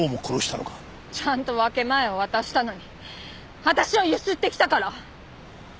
ちゃんと分け前を渡したのに私をゆすってきたから！